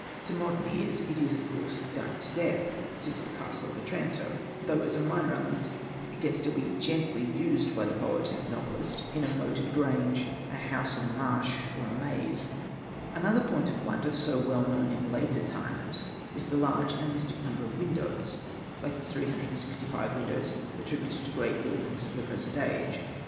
To modern ears it is, of course, done to death since the "Castle of Otranto" ; though as a minor element it can still be gently used by the poet and novelist in a Hosted by Google i 32 THE DOOMED PRINCE moated grange, a house in a marsh or a maze. Another point of wonder, so well known in later times, is the large and mystic nmiiber of windows, like the 365 windows attributed to great buildings of the present age.